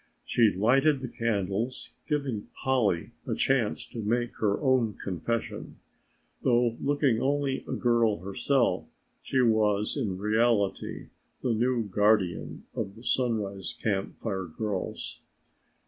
She lighted the candles, giving Polly a chance to make her own confession. Though looking only a girl herself she was in reality the new guardian of the Sunrise Camp Fire girls.